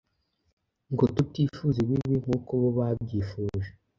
ngo tutifuza ibibi nk’uko bo babyifuje